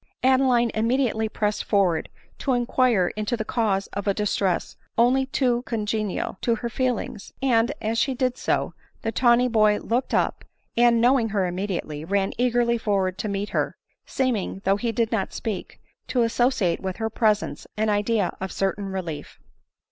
Adeline immediately pressed forward to inquire into the cause of a distress only too congenial to her feelings ; and as she did so, the tawny boy looked up, and, knowing her immediately, ran eagerly forward to meet her, seem ing, though he did not speak, to associate with her presence an idea of certain relief.